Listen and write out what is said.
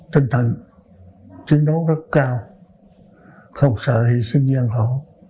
tinh thần chiến đấu rất cao không sợ hy sinh gian khổ